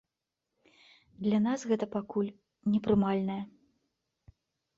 Для нас гэта пакуль непрымальнае.